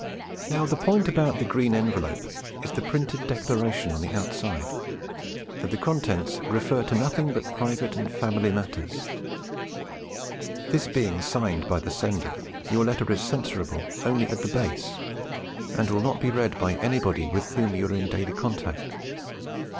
Now, the point about the 'green envelope' is the printed declaration on the outside, that the contents 'refer to nothing but private and family matters'; this being signed by the sender, your letter is censorable only at the base, and will not be read by anybody with whom you are in daily contact.